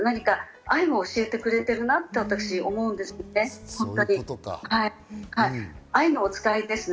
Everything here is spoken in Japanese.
何か愛を教えてくれているなと私、思うんですね。